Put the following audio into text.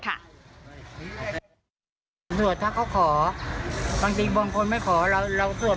ก็จะนำรถด้วยนำภาพปลาด้วย